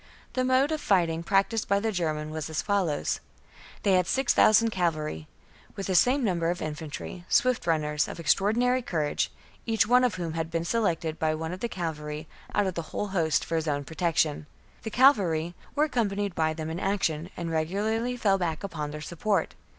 The mode of fighting practised by the Germans was as follows. They had six thousand cavalry, with the same number of infantry, swift runners of extraordinary courage, each one of whom had been selected by one of the cavalry out of the whole host for his own protection. The cavalry were accompanied by them in action, and regularly fell back upon their support.